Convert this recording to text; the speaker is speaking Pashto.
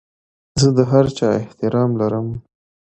زه د هر چا احترام لرم.